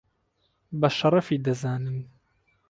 بە شەرەفی دەزانن